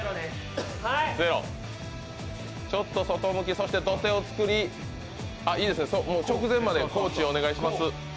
ちょっと外向き、そして土手を作り直前までコーチお願いします。